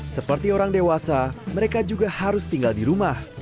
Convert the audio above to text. seperti orang dewasa mereka juga harus tinggal di rumah